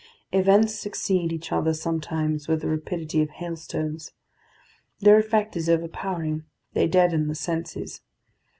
Events succeed each other sometimes with the rapidity of hailstones. Their effect is overpowering; they deaden the senses.